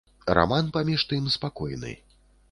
Раман паміж тым спакойны.